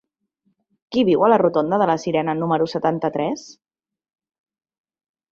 Qui viu a la rotonda de la Sirena número setanta-tres?